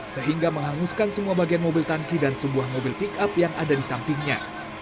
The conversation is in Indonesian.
sehingga menghanguskan semua bagian mobil tangki dan sebuah mobil pick up yang ada di sampingnya